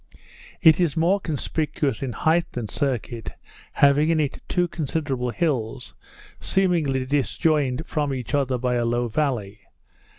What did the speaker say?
It is more conspicuous in height than circuit; having in it two considerable hills, seemingly disjoined from each other by a low valley.